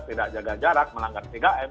tidak jaga jarak melanggar tiga m